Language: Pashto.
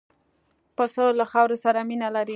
پسه له خاورو سره مینه لري.